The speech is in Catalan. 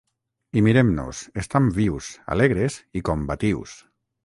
I mirem-nos; estam vius, alegres i combatius.